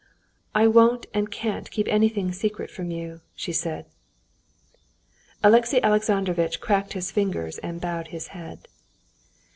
"I won't and can't keep anything secret from you," she said. Alexey Alexandrovitch cracked his fingers and bowed his head.